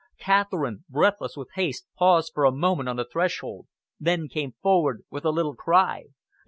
Catherine, breathless with haste, paused for a moment on the threshold, then came forward with a little cry.